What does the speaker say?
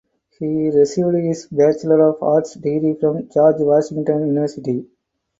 He received his Bachelor of Arts degree from George Washington University.